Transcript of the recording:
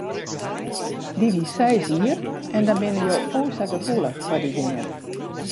Dy wie seis jier en dan binne je o sa gefoelich foar dy dingen.